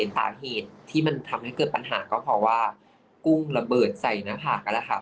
ตามเหตุที่มันทำให้เกิดปัญหาก็เพราะว่ากู้งระเบิดใส่เนื้อพัก